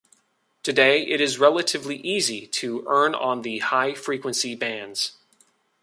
Today it is relatively easy to earn on the high frequency bands.